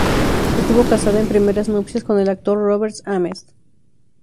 Estuvo casada en primeras nupcias con el actor Robert Ames.